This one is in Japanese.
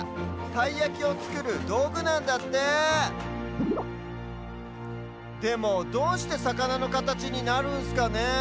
たいやきをつくるどうぐなんだってでもどうしてさかなのかたちになるんすかねえ。